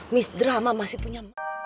miss drama masih punya